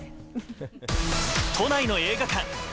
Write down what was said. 都内の映画館。